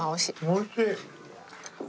おいしい。